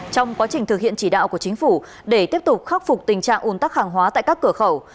trong quá trình thực hiện chỉ đạo của chính phủ để tiếp tục khắc phục tình trạng ủn tắc hàng hóa tại các cửa khẩu